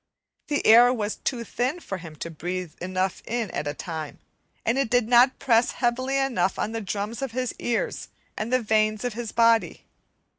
The air was too thin for him to breathe enough in at a time, and it did not press heavily enough on the drums of his ears and the veins of his body.